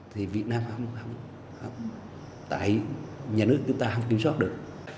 thì việt nam không tại nhà nước chúng ta không kiểm soát được